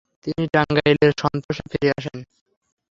তিনি টাঙ্গাইলের সন্তোষে ফিরে আসেন।